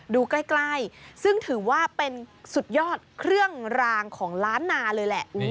ดูใกล้ซึ่งถือว่าเป็นสุดยอดเครื่องรางของล้านนาเลยแหละ